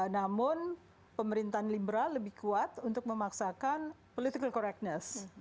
namun pemerintahan liberal lebih kuat untuk memaksakan political correctness